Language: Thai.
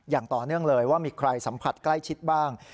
อย่างต่อเนื่องเลยว่ามีใครสัมผัสใกล้ชิดบ้าง